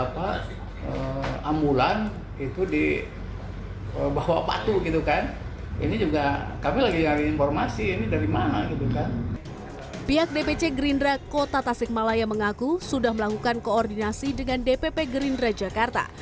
pihak dpc gerindra kota tasikmalaya mengaku sudah melakukan koordinasi dengan dpp gerindra jakarta